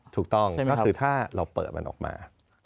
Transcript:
ถูกต้องก็คือถ้าเราเปิดมันออกมา